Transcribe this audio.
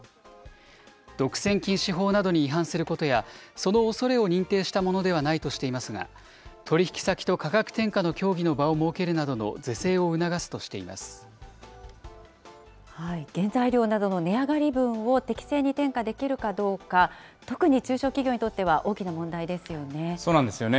独占禁止法などに違反することや、そのおそれを認定したものではないとしていますが、取り引き先と価格転嫁の協議の場を設けるなどの是正を促すとして原材料などの値上がり分を適正に転嫁できるかどうか、特に中小企業にとっては大きな問題ですそうなんですよね。